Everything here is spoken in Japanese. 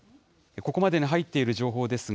ここまでに入っている情報ですが。